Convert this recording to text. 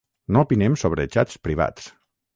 No opinem sobre xats privats.